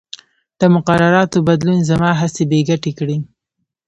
د مقرراتو بدلون زما هڅې بې ګټې کړې.